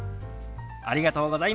ありがとうございます。